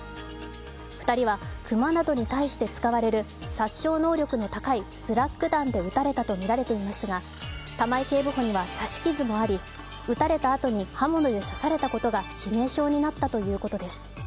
２人は熊などに対して使われる殺傷能力の高いスラッグ弾で撃たれたとみられていますが玉井警部補には刺し傷もあり撃たれたあとに刃物で刺されたことが致命傷になったということです。